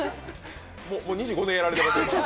もう２５年やられてます。